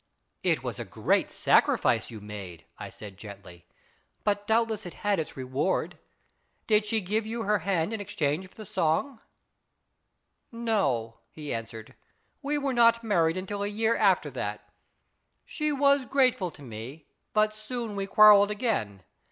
" It was a great sacrifice you made," I said gently, " but doubtless it had its reward. Did she give you her hand in exchange for the rv song? " No," he answered, " we were not married until a year after that. She was grateful to me, but soon we quarrelled again.